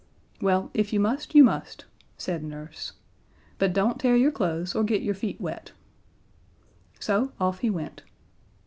"Well, if you must, you must," said Nurse, "but don't tear your clothes or get your feet wet." So off he went.